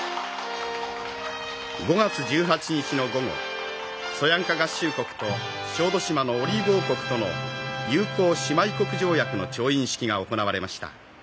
「５月１８日の午後そやんか合衆国と小豆島のオリーブ王国との友好姉妹国条約の調印式が行われました。